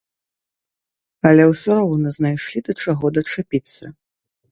Але ўсё роўна знайшлі да чаго дачапіцца.